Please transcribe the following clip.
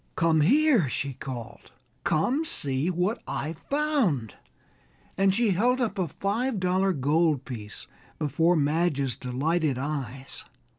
"Come here!" she called, "come, see what I've found," and she held up a five dollar gold piece before Madge's delighted eyes.